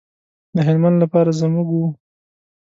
د هلمند لپاره زموږ و.